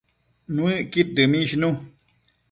Nuëcqud dëmishnu